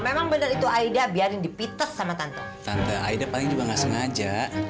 memang benar itu aida biarin dipites sama tante aida paling juga nggak sengaja